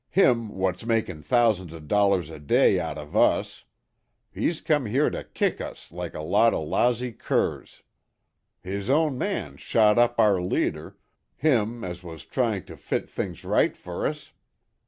Him wot's makin' thousands o' dollars a day out of us. He's come here to kick us like a lot o' lousy curs. His own man shot up our leader, him as was trying to fit things right fer us.